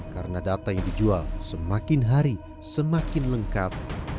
karena data yang dijual semakin hari semakin lengkap